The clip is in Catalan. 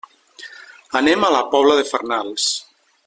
Anem a la Pobla de Farnals.